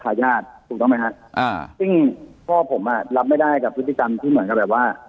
ทายาทถูกต้องไหมฮะอ่าซึ่งพ่อผมอ่ะรับไม่ได้กับพฤติกรรมที่เหมือนกับแบบว่า